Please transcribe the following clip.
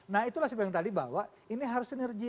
nah itulah sebab yang tadi bahwa ini harus sinergi